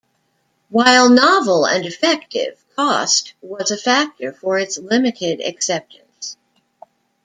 While novel and effective, cost was a factor for its limited acceptance.